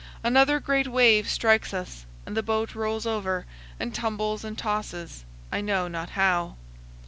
Another great wave strikes us, and the boat rolls over, and tumbles and tosses, I know not how.